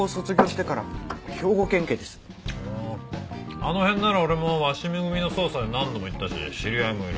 あの辺なら俺も鷲見組の捜査で何度も行ったし知り合いもいる。